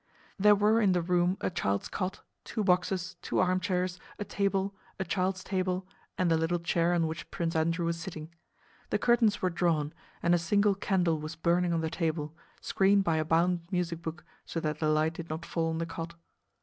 There were in the room a child's cot, two boxes, two armchairs, a table, a child's table, and the little chair on which Prince Andrew was sitting. The curtains were drawn, and a single candle was burning on the table, screened by a bound music book so that the light did not fall on the cot.